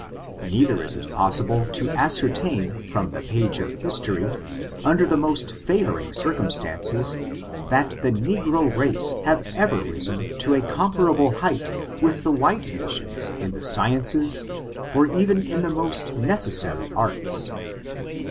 Neither is it possible to ascertain from the page of history, under the most favoring circumstances, that the negro race have ever risen to a comparable height with the white nations in the sciences, or even in the most necessary arts.